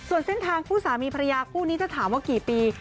ส่วนเส้นทางคู่สามีภรรยาคู่นี้ถ้าถามว่ากี่ปี